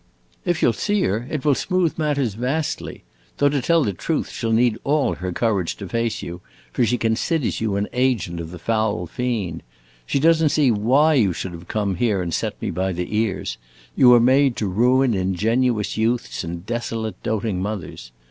"If you 'll see her, it will smooth matters vastly; though to tell the truth she 'll need all her courage to face you, for she considers you an agent of the foul fiend. She does n't see why you should have come here and set me by the ears: you are made to ruin ingenuous youths and desolate doting mothers.